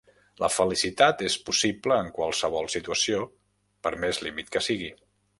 La felicitat és possible en qualsevol situació, per més límit que sigui.